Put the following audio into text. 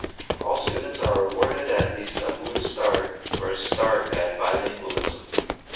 All students are awarded at least a blue start for a start at bilingualism.